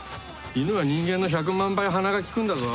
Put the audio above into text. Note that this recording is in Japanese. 犬は人間の１００万倍鼻が利くんだぞ。